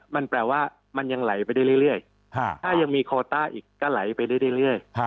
มันแปลว่ามันยังไหลไปได้เรื่อยถ้ายังมีโคต้าอีกก็ไหลไปเรื่อย